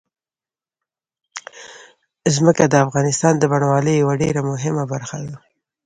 ځمکه د افغانستان د بڼوالۍ یوه ډېره مهمه برخه ده.